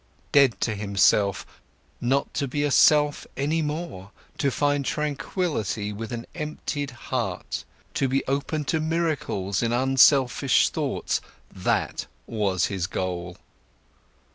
Dead to himself, not to be a self any more, to find tranquility with an emptied heart, to be open to miracles in unselfish thoughts, that was his goal.